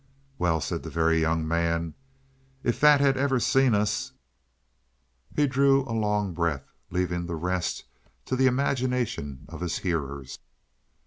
"Well," said the Very Young Man, "if that had ever seen us " He drew a long breath, leaving the rest to the imagination of his hearers.